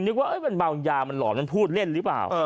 นึกว่ามันเมายามันหลอนมันพูดเล่นหรือเปล่า